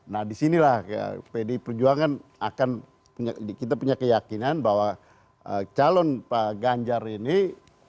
nah disinilah pdi perjuangan akan kita punya keyakinan bahwa calon pak ganjar ini